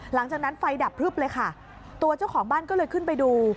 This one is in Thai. หลังจากนั้นไฟดับพลึบเลยค่ะตัวเจ้าของบ้านก็เลยขึ้นไปดู